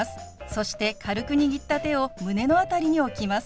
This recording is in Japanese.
そして軽く握った手を胸の辺りに置きます。